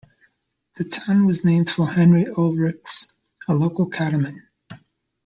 The town was named for Henry Oelrichs, a local cattleman.